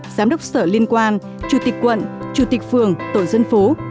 giám đốc sở liên quan chủ tịch quận chủ tịch phường tổ dân phố